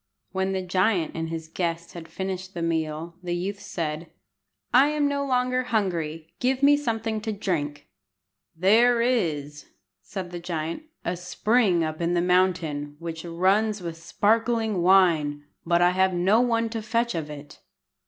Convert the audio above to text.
When the giant and his guest had finished the meal, the youth said "I am no longer hungry. Give me something to drink." "There is," said the giant, "a spring up in the mountain which runs with sparkling wine, but I have no one to fetch of it."